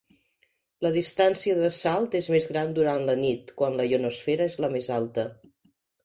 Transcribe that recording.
La distància de salt és més gran durant la nit quan la ionosfera es la més alta.